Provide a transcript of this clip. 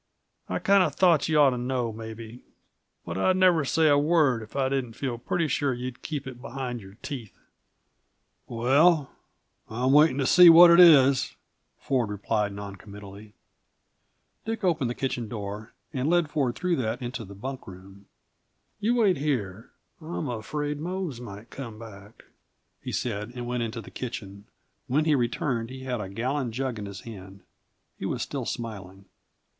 I kinda thought you ought to know, maybe but I'd never say a word if I didn't feel pretty sure you'd keep it behind your teeth." "Well I'm waiting to see what it is," Ford replied non committally. Dick opened the kitchen door, and led Ford through that into the bunk room. "You wait here I'm afraid Mose might come back," he said, and went into the kitchen. When he returned he had a gallon jug in his hand. He was still smiling.